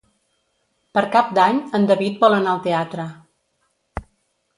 Per Cap d'Any en David vol anar al teatre.